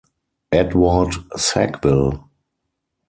Edward Sackville.